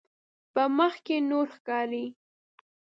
په مخ کې نور ښکاري.